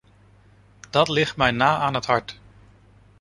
Dat ligt mij na aan het hart.